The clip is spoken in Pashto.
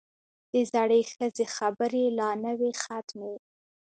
د زړې ښځې خبرې لا نه وې ختمې.